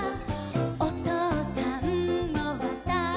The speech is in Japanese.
「おとうさんもわたしも」